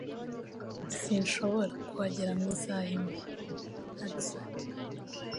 Sinshobora kuhagera mu isaha imwe. (nadsat)